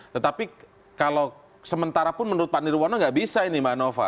tetapi kalau sementara pun menurut pak nirwono nggak bisa ini mbak nova